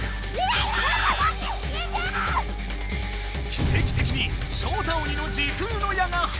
奇跡的にショウタ鬼の時空の矢が外れた！